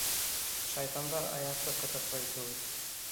Шайтандар аяҡты ҡытыҡлай кеүек...